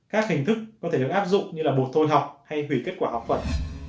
các hình thức có thể được áp dụng như là bột thôi học hay hủy kết quả học phần